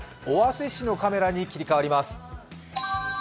尾鷲市のカメラに切り替わります。